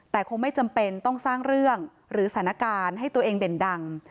แต่คงไม่จำเป็นต้องสร้างเรื่องหรือสถานการณ์ให้ตัวเองเด่นดัง